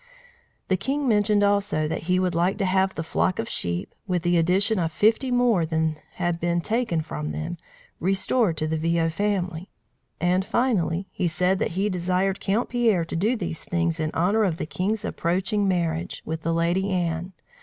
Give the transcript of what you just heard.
The king mentioned also that he would like to have the flock of sheep, with the addition of fifty more than had been taken from them, restored to the Viaud family. And, finally, he said that he desired Count Pierre to do these things in honour of his king's approaching marriage with the Lady Anne.